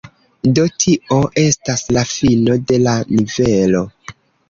Do tio estas la fino de la nivelo.